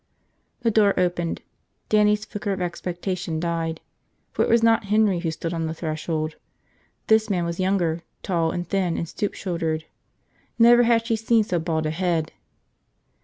The door opened. Dannie's flicker of expectation died; for it was not Henry who stood on the threshold. This man was younger, tall and thin and stoop shouldered. Never had she seen so bald a head.